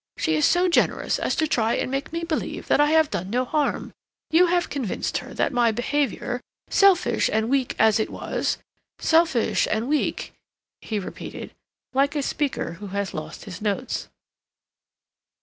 She is so generous as to try and make me believe that I have done no harm—you have convinced her that my behavior, selfish and weak as it was—selfish and weak—" he repeated, like a speaker who has lost his notes.